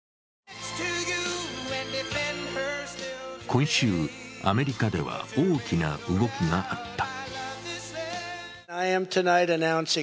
今週、アメリカでは大きな動きがあった。